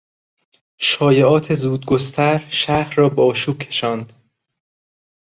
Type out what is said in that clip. شایعات زودگستر شهر را به آشوب کشاند.